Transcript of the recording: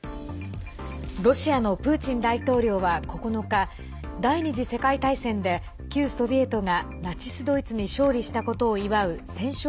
ロシアのプーチン大統領は９日第２次世界大戦で旧ソビエトがナチス・ドイツに勝利したことを祝う戦勝